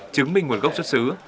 chứng minh nguồn gốc xuất xứ